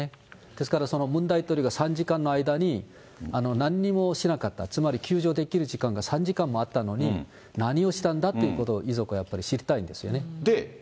ですからそのムン大統領が３時間の間になんにもしなかった、つまり救助できる時間が３時間もあったのに何をしたんだということを、遺族はやっぱり知りたいんですよね。